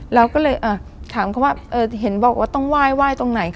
เราก็เลยถามเขาว่าเห็นบอกว่าต้องไหว้ตรงไหน